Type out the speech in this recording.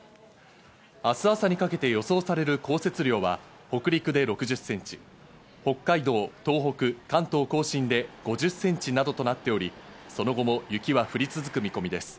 明日朝にかけて予想される降雪量は北陸で６０ｃｍ、北海道、東北、関東甲信で５０ｃｍなどとなっており、その後も雪は降り続く見込みです。